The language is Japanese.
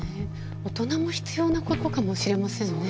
大人も必要なことかもしれませんね。